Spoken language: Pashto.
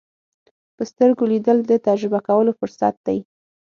په سترګو لیدل د تجربه کولو فرصت دی